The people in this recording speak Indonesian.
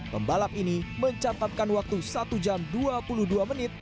pembalap ini mencatatkan waktu satu jam dua puluh dua menit